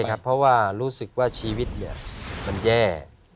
ใช่ครับเพราะว่ารู้สึกว่าชีวิตเนี่ยมันแย่